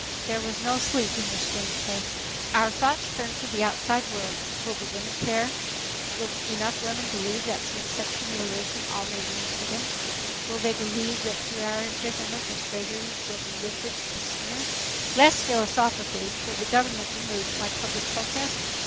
There was no sleep in this strange place. Our thoughts turn to the outside world. Will the women care? Will enough women believe that through such humiliation all may win freedom? Will they believe that through our imprisonment their slavery will be lifted the sooner? Less philosophically, will the government be moved by public protest?